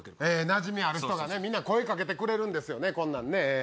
なじみある人がねみんな声掛けてくれるんですよね。